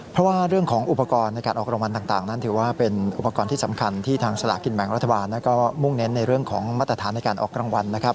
เพราะว่าเรื่องของอุปกรณ์ในการออกรางวัลต่างนั้นถือว่าเป็นอุปกรณ์ที่สำคัญที่ทางสลากินแบ่งรัฐบาลนั้นก็มุ่งเน้นในเรื่องของมาตรฐานในการออกรางวัลนะครับ